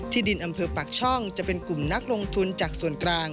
ดินอำเภอปากช่องจะเป็นกลุ่มนักลงทุนจากส่วนกลาง